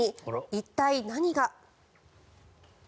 一体、何が？